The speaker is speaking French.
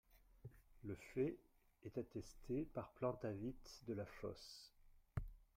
Le fait est attesté par Plantavit de la Fosse.